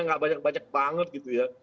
nggak banyak banyak banget gitu ya